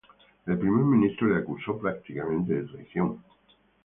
El Primer Ministro le acusó prácticamente de traición.